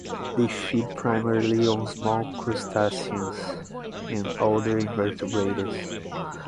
They feed primarily on small crustaceans and other invertebrates.